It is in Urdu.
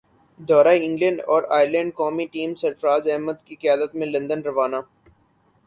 دورہ انگلینڈ اور ائرلینڈ قومی ٹیم سرفرازاحمد کی قیادت میں لندن روانہ